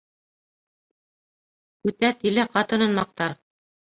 Үтә тиле ҡатынын маҡтар.